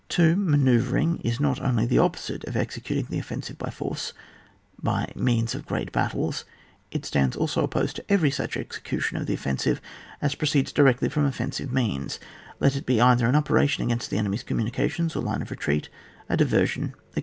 2. Manoeuvring is not only the opposite of executing the offensive by force, by means of great battles; it stands also opposed to every such execution of the offensive as proceeds directly from offen sive means, let it be either an operation against the enemy's communications, or line of retreat, a diversion, etc.